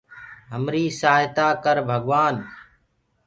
همريٚ سآهتآ ڪر ڀگوآن